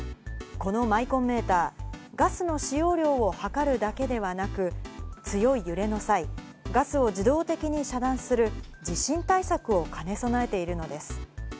このマイコンメーター、ガスの使用量を量るだけではなく、強い揺れの際、ガスを自動的に遮断する地震対策を兼ね備えているのです。